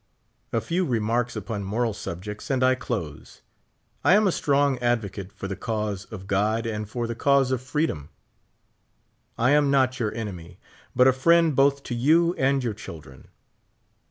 A few remarks upon moral subjects, and I close. I am a strong advocate for the cause of God and for the cause of freedom. I am not your enemy, but a friend both to you and your children.